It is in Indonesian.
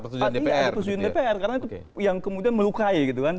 artinya ada persetujuan dpr karena itu yang kemudian melukai gitu kan